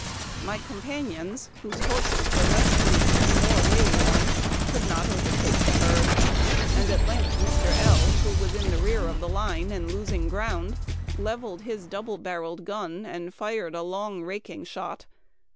My companions, whose horses were less fleet and more way worn, could not overtake the herd ; at length Mr. L., who was in the rear of the line and losing ground, leveled his double barreled gun, and fired a long raking shot.